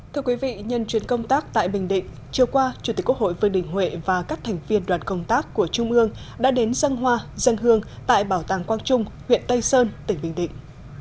thưa quý vị nhân chuyến công tác tại bình định chiều qua chủ tịch quốc hội vương đình huệ và các thành viên đoàn công tác của trung ương đã đến dân hoa dân hương tại bảo tàng quang trung huyện tây sơn tỉnh bình định